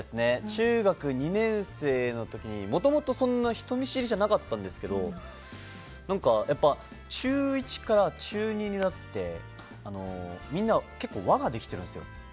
中学２年生の時にもともと人見知りじゃなかったんですけどやっぱり、中１から中２になってみんな結構輪ができているんですよ。